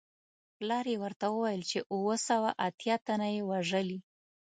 پلار یې ورته وویل چې اووه سوه اتیا تنه یې وژلي.